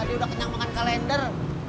tadi udah kenyang makan kalender